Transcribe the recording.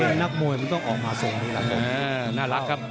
เป็นนักมวยมันต้องออกมาทรงน่ารักครับ